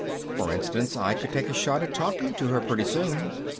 For instance, I could take a shot at talking to her pretty soon.